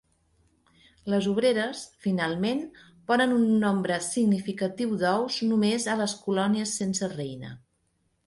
Les obreres, finalment, ponen un nombre significatiu d"ous només a les colònies sense reina.